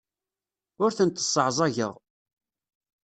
Ur tent-sseɛẓageɣ.